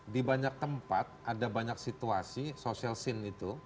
di banyak tempat ada banyak situasi social scene itu